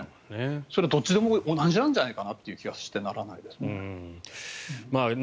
それはどっちでも同じなんじゃないかという気がしてならないですね。